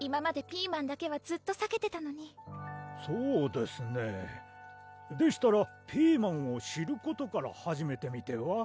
ピーマンだけはずっとさけてたのにそうですねでしたらピーマンを知ることから始めてみては？